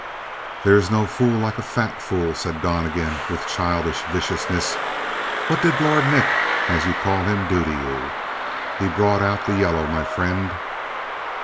"There is no fool like a fat fool," said Donnegan with childish viciousness. "What did Lord Nick, as you call him, do to you? He's brought out the yellow, my friend."